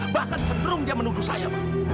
bahkan seterung dia menuduh saya